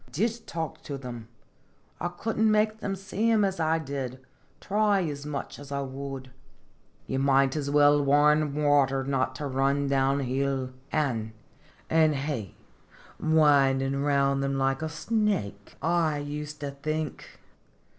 " I did talk to thim. I could n't make thim see him as I did, try as much as I would. Ye Singeb Jttotljs. 71 might as well warn water not to run down hill. An* he windin' round thim like a snake, I used to think.